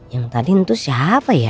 yang tadi itu siapa ya